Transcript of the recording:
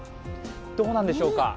どうなんでしょうか。